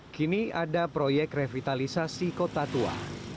kini ada proyek revitalisasi kota tua